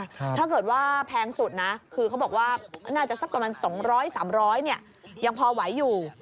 ถ้าเกิดว่าแพงสุดนะคือเขาบอกว่าน่าจะสักประมาณ๒๐๐๓๐๐เนี่ยยังพอไหวอยู่